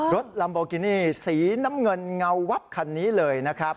ลัมโบกินี่สีน้ำเงินเงาวับคันนี้เลยนะครับ